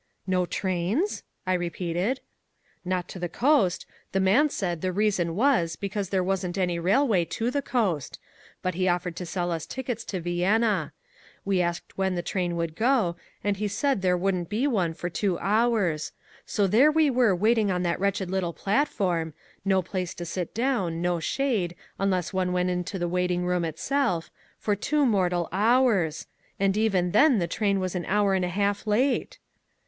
"No trains?" I repeated. "Not to the coast. The man said the reason was because there wasn't any railway to the coast. But he offered to sell us tickets to Vienna. We asked when the train would go and he said there wouldn't be one for two hours. So there we were waiting on that wretched little platform, no place to sit down, no shade, unless one went into the waiting room itself, for two mortal hours. And even then the train was an hour and a half late!"